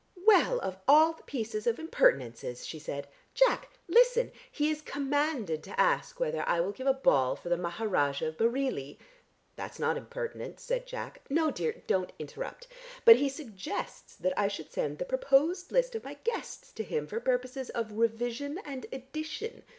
"Well, of all the pieces of impertinences!" she said. "Jack, listen! He is commanded to ask whether I will give a ball for the Maharajah of Bareilly " "That's not impertinent," said Jack. "No, dear; don't interrupt. But he suggests that I should send the proposed list of my guests to him for purposes of revision and addition.